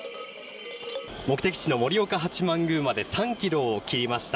盛岡八幡宮まで３ｋｍを切りました。